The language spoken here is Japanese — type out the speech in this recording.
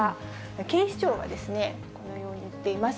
警視庁はですね、このように言っています。